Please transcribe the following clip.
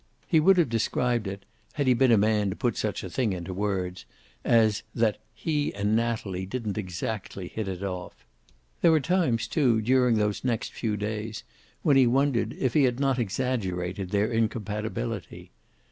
He would have described it, had he been a man to put such a thing into words, as that "he and Natalie didn't exactly hit it off." There were times, too, during those next few days, when he wondered if he had not exaggerated their incompatibility.